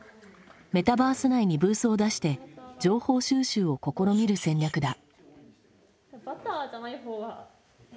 メタバース内にブースを出して情報収集を試みる戦略だ。